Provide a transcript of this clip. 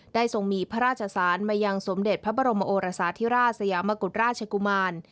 ทรงมีพระราชสารมายังสมเด็จพระบรมโอรสาธิราชสยามกุฎราชกุมาร